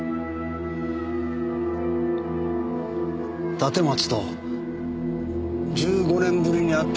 立松と１５年ぶりに会ったあの夜。